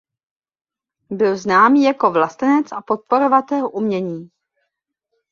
Byl známý jako vlastenec a podporovatel umění.